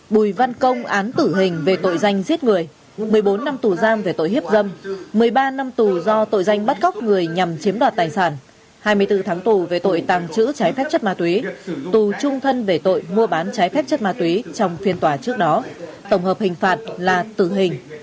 bùi văn công án tử hình về tội danh giết người một mươi bốn năm tù giam về tội hiếp dâm một mươi ba năm tù do tội danh bắt cóc người nhằm chiếm đoạt tài sản hai mươi bốn tháng tù về tội tàng trữ trái phép chất ma túy tù trung thân về tội mua bán trái phép chất ma túy trong phiên tòa trước đó tổng hợp hình phạt là tử hình